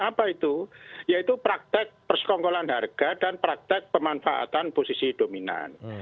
apa itu yaitu praktek persekongkolan harga dan praktek pemanfaatan posisi dominan